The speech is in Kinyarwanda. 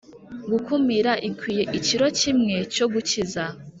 gukumira ikwiye ikiro kimwe cyo gukiza